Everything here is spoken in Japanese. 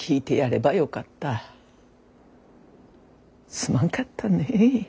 すまんかったね。